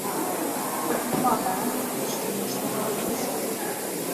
Хоць няма гарантый, што нешта адбудзецца.